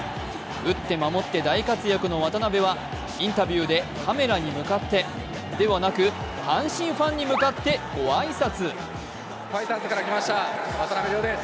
打って守って大活躍の渡邉はインタビューでカメラに向かってではなく阪神ファンに向かってご挨拶。